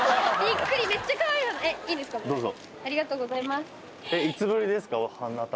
どうぞ。